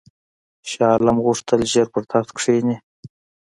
شاه عالم غوښتل ژر پر تخت کښېني.